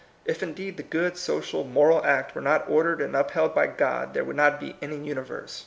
If indeed the good, social, moral act were not ordered and upheld by God, there would not be any universe.